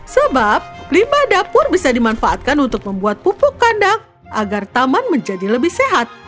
sebab limba dapur bisa dimanfaatkan untuk membuat pupuk kandang agar taman menjadi lebih sehat